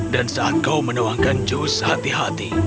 dan saat kau menuangkan jus hati hati